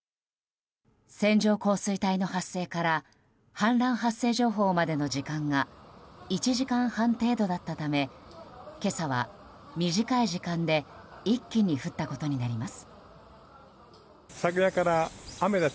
線状降水帯の発生から氾濫発生情報までの時間が１時間半程度だったため今朝は短い時間で一気に降ったことになります。